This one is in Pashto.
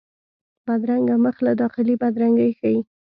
بدرنګه مخ له داخلي بدرنګي ښيي